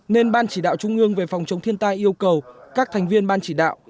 nên ban chỉ đạo trung ương về phòng chống thiên tai yêu cầu các thành viên ban chỉ đạo